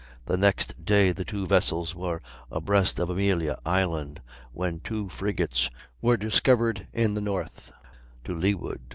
The next day the two vessels were abreast of Amelia Island, when two frigates were discovered in the north, to leeward.